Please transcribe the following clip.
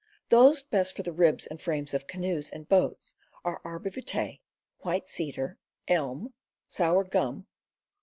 Those best for the ribs and frames of canoes and boats are _p arbor vitae, white cedar, elm, sour gum, Purposes.